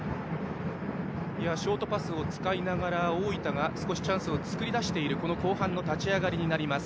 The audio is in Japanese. ショートパスを使いながら大分が少しチャンスを作り出している後半立ち上がりです。